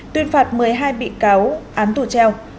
tuyên phạt một mươi hai bị cáo án tù treo